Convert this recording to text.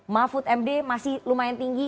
mahfud md masih lumayan tinggi